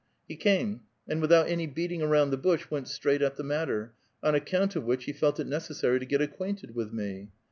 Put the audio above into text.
He came ; and without any beating aronnd the bush, went straight at the matter, on account of which he felt it neces sary to get acquainted with me.